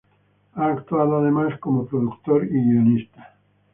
Ha actuado, además, como productor y guionista.